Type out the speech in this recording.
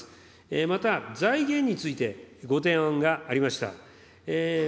また、財源について、ご提案がありました。